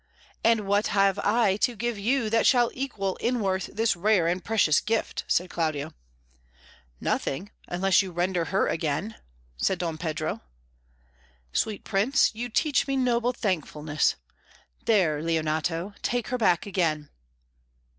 "And what have I to give you that shall equal in worth this rare and precious gift?" said Claudio. "Nothing, unless you render her again," said Don Pedro. "Sweet Prince, you teach me noble thankfulness. There, Leonato, take her back again."